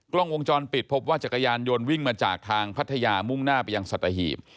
กล้องวงจรปิดพบว่าจักรยานยนต์วิ่งมาจากทางพัทยามุ่งหน้าไปยังสัตหีบ